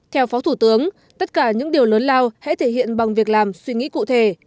theo phó thủ tướng tất cả những điều lớn lao hãy thể hiện bằng việc làm suy nghĩ cụ thể